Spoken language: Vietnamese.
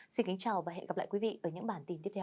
xin kính chào và hẹn gặp lại quý vị ở những bản tin tiếp theo